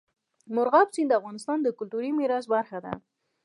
مورغاب سیند د افغانستان د کلتوري میراث برخه ده.